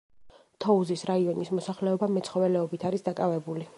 თოუზის რაიონის მოსახლეობა მეცხოველეობით არის დაკავებული.